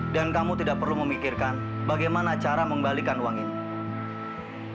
dan kamu tidak perlu memikirkan bagaimana cara mengembalikan uang ini